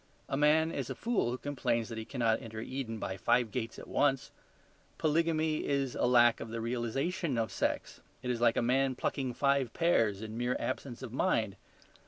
A man is a fool who complains that he cannot enter Eden by five gates at once. Polygamy is a lack of the realization of sex; it is like a man plucking five pears in mere absence of mind.